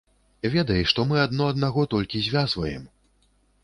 Ведай, што мы адно аднаго толькі звязваем.